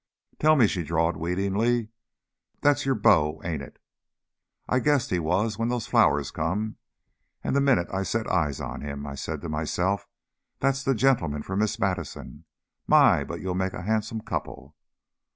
"Tell me," she drawled wheedlingly, "that's your beau, ain't it? I guessed he was when those flowers come, and the minute I set eyes on him, I said to myself, 'That's the gentleman for Miss Madison. My! but you'll make a handsome couple."